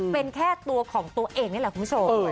เป็นแค่ตัวของตัวเองนี่แหละคุณผู้ชม